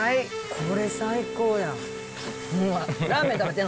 これ最高や。